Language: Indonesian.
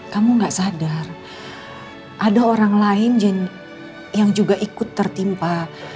kamu gak sadar ada orang lain yang juga ikut tertimpa